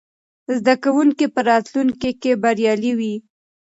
زده کوونکي به راتلونکې کې بریالي وي.